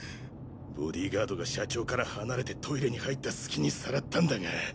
ボディーガードが社長から離れてトイレに入った隙にさらったんだが。